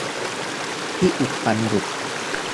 ที่อุดฟันหลุด ! :'